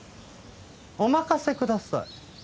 お任せください。